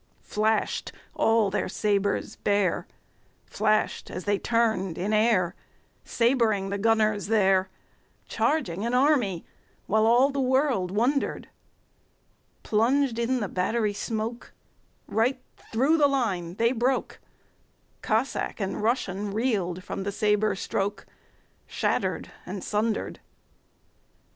Flash'd all their sabres bare, Flash'd as they turn'd in airSabring the gunners there, Charging an army, whileAll the world wonder'd:Plunged in the battery smokeRight thro' the line they broke; Cossack and RussianReel'd from the sabre strokeShatter'd and sunder'd.